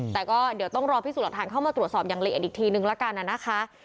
แต่ก็เดี๋ยวต้องรอพี่สุรทานเข้ามาตรวจสอบอย่างเละอีกทีหนึ่งละกันนะคะ